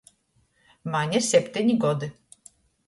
Maņ ir septeni godi.